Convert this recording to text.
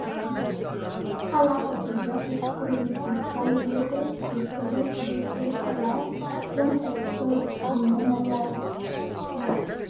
Color photographic film is calibrated to produce faithful colors when exposed to normal light.